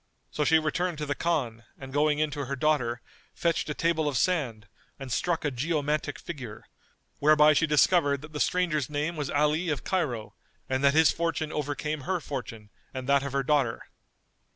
So she returned to the Khan and going in to her daughter, fetched a table of sand, and struck a geomantic figure, whereby she discovered that the stranger's name was Ali of Cairo and that his fortune overcame her fortune and that of her daughter.